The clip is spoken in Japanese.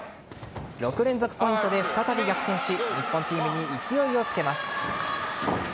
６連続ポイントで再び逆転し日本チームに勢いをつけます。